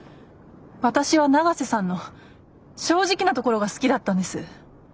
私は永瀬さんの正直なところが好きだったんです。